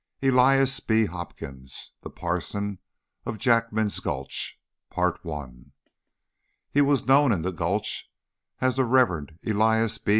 ELIAS B. HOPKINS, THE PARSON OF JACKMAN'S GULCH. He was known in the Gulch as the Reverend Elias B.